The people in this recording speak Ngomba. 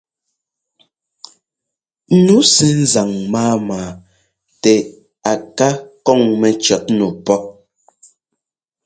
Nu sɛ́ ńzaŋ máama tɛ a ká kɔŋ mɛcɔ̌tnu pɔ́́.